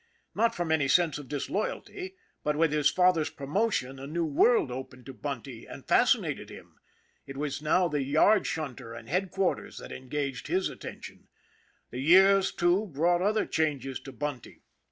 Not from any sense of disloyalty ; but with his father's promotion a new world opened to Bunty, and fascinated him. It was now the yard shunter and headquarters that engaged his attention. The years, too, brought other changes to Bunty.